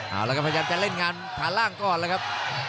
เอาละก็พยายามจะเล่นงานถ้าร่างก็อดล่ะครับ